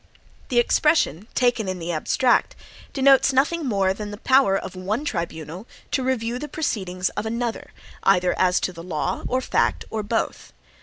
The expression, taken in the abstract, denotes nothing more than the power of one tribunal to review the proceedings of another, either as to the law or fact, or both.